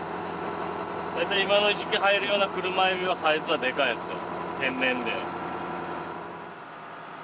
大体今の時期に入るようなクルマエビはサイズはでかいやつ天然で。